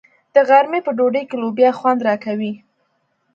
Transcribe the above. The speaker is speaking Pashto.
د غرمې په ډوډۍ کې لوبیا خوند راکوي.